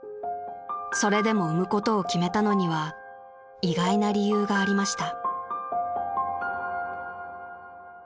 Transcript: ［それでも産むことを決めたのには意外な理由がありました］